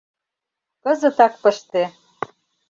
Кызытак пыште!